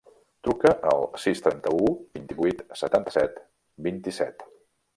Truca al sis, trenta-u, vint-i-vuit, setanta-set, vint-i-set.